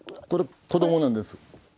これ子どもなんです。